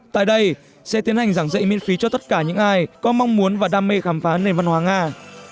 tại đây sẽ tiến hành giảng dạy miễn phí cho tất cả những ai có mong muốn và đam mê khám phá nền văn hóa nga